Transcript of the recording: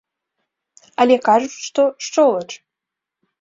Але кажуць, што шчолач.